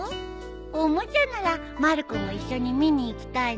おもちゃならまる子も一緒に見に行きたいな。